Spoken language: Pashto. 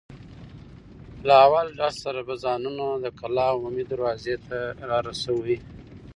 له اول ډز سره به ځانونه د کلا عمومي دروازې ته را رسوئ.